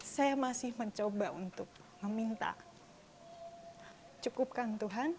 saya masih mencoba untuk meminta cukupkan tuhan